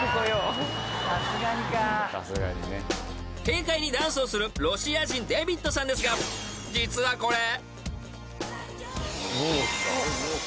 ［軽快にダンスをするロシア人デヴィットさんですが実はこれ］